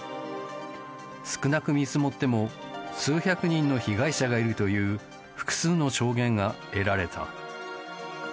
少なく見積もっても数百人の被害者がいるという複数の証言が得られた。